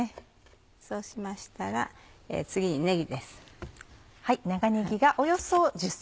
そうしましたら次にねぎです。